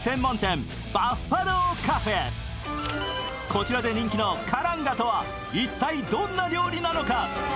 こちらで人気のカランガとは一体どんな料理なのか？